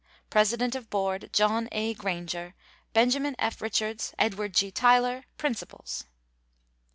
President of Board, John A. Granger; Benjamin F. Richards, Edward G. Tyler, Principals."